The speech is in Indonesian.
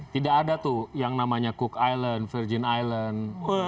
tidak ada tuh yang namanya cook island virgin island